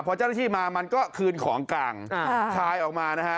พอเจ้าหน้าที่มามันก็คืนของกลางชายออกมานะฮะ